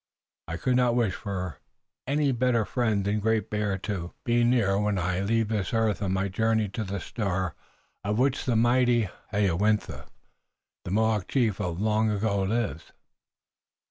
I could not wish for any better friend than Great Bear to be near when I leave this earth on my journey to the star on which the mighty Hayowentha, the Mohawk chief of long ago, lives."